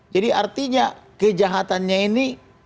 jadi artinya kejahatannya ini